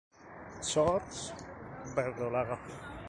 Shorts: verdolaga.